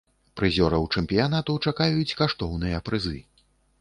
Прызёраў чэмпіянату чакаюць каштоўныя прызы.